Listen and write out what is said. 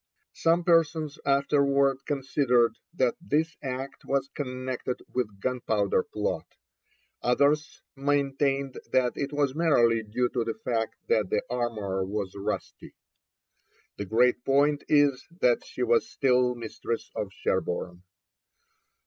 Some persons afterwards considered that this act was connected with Gunpowder Plot, others maintained that it was merely due to the fact that the armour was rusty. The great point is that she was still mistress of Sherborne.